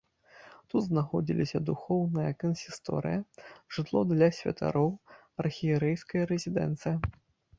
Тут знаходзіліся духоўная кансісторыя, жытло для святароў, архірэйская рэзідэнцыя.